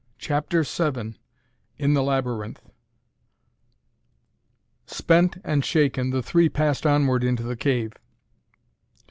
CHAPTER VII In the Labyrinth Spent and shaken, the three passed onward into the cave.